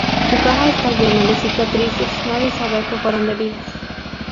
Su cara está llena de cicatrices, nadie sabe a que fueron debidas.